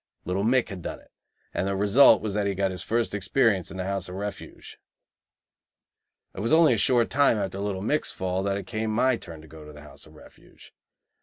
"Little Mick" had done it, and the result was that he got his first experience in the House of Refuge. It was only a short time after Little Mick's fall that it came my turn to go to the House of Refuge.